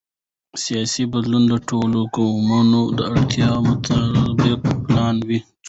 سیاسي بدلون د ټولو قومونو د اړتیاوو مطابق پلان شي